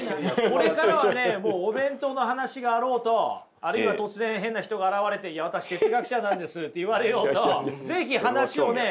これからはねもうお弁当の話があろうとあるいは突然変な人が現れて「いや私哲学者なんです」って言われようと是非話をね